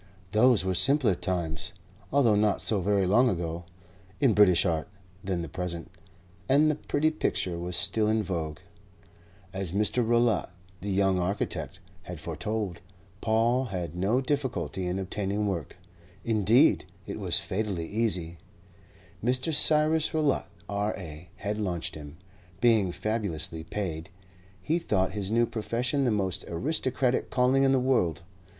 Those were simpler times (although not so very long ago) in British art than the present, and the pretty picture was still in vogue. As Mr. Rowlatt, the young architect, had foretold, Paul had no difficulty in obtaining work. Indeed, it was fatally easy. Mr. Cyrus Rowlatt, R.A., had launched him. Being fabulously paid, he thought his new profession the most aristocratic calling in the world.